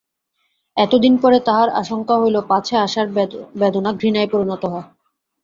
এতদিন পরে তাহার আশঙ্কা হইল, পাছে আশার বেদনা ঘৃণায় পরিণত হয়।